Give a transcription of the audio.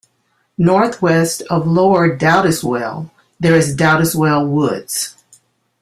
Northwest of Lower Dowdeswell, there is Dowdeswell Woods.